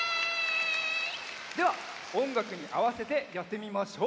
ではおんがくにあわせてやってみましょう！